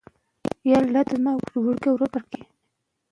موږ باید په خپله خاوره کې پرمختګ وکړو.